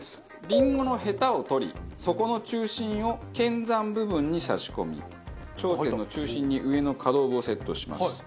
リンゴのヘタを取り底の中心を剣山部分に差し込み頂点の中心に上の可動部をセットします。